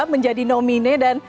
menjadi nomine dan